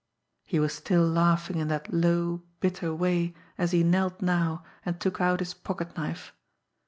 He was still laughing in that low, bitter way, as he knelt now, and took out his pocketknife.